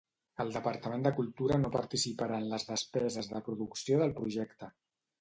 El Departament de Cultura no participarà en les despeses de producció del projecte.